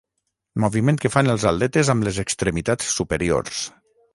Moviment que fan els atletes amb les extremitats superiors.